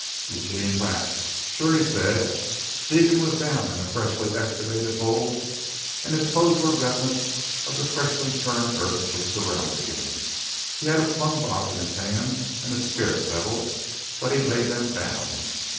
Eugene laughed. "Sure," he said. Deegan was down in a freshly excavated hole and his clothes were redolent of the freshly turned earth which surrounded him. He had a plumb bob in his hand and a spirit level, but he laid them down.